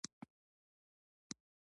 ایا ستاسو دسترخوان پراخ دی؟